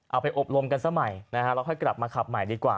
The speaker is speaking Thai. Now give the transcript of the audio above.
เอาไปอบรมกันซะใหม่นะฮะแล้วค่อยกลับมาขับใหม่ดีกว่า